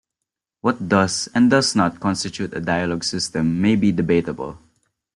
What does and does not constitute a dialog system may be debatable.